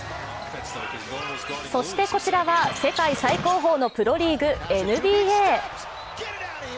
そして、こちらは世界最高峰のプロリーグＮＢＡ。